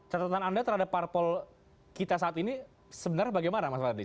catatan anda terhadap parpol kita saat ini sebenarnya bagaimana mas fadli